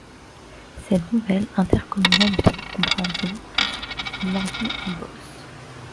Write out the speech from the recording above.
Cette nouvelle intercommunalité comprend dont Morville-en-Beauce.